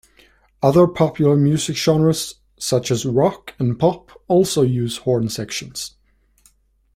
Other popular musical genres, such as rock and pop, also use horn sections.